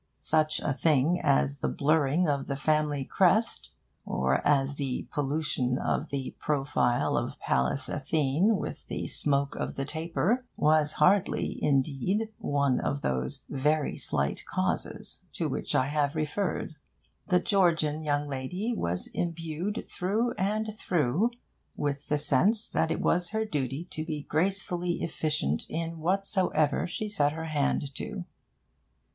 Such a thing as the blurring of the family crest, or as the pollution of the profile of Pallas Athene with the smoke of the taper, was hardly, indeed, one of those 'very slight causes' to which I have referred. The Georgian young lady was imbued through and through with the sense that it was her duty to be gracefully efficient in whatsoever she set her hand to.